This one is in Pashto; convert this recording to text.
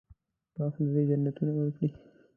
پاک خدای دې جنتونه ورکړي.